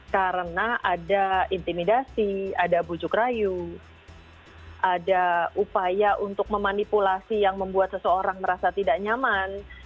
karena ada intimidasi ada bujuk rayu ada upaya untuk memanipulasi yang membuat seseorang merasa tidak nyaman